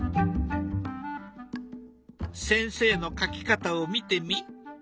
先生の描き方を見てみ。